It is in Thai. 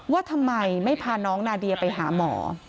ว่าทำไมไม่พาน้องนาเดียไปหาหมอ